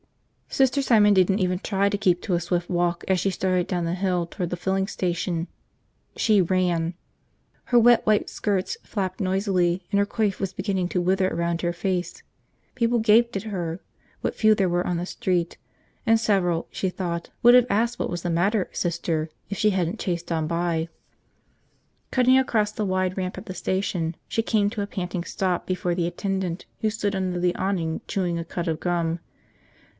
Sister Simon didn't even try to keep to a swift walk as she started down the hill toward the filling station. She ran. Her wet white skirts flapped noisily and her coif was beginning to wither around her face. People gaped at her, what few there were on the street, and several, she thought, would have asked what was the matter, Sister, if she hadn't chased on by. Cutting across the wide ramp at the station, she came to a panting stop before the attendant who stood under the awning chewing a cud of gum.